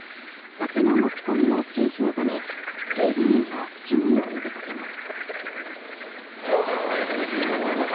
酒の持ち込みも禁止のため警備員が注意を呼びかけます。